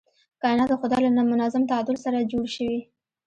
کائنات د خدای له منظم تعادل سره جوړ شوي.